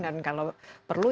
dan kalau perlu